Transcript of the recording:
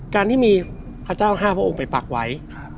การที่มีพระเจ้า๕พระองค์ไปปักไว้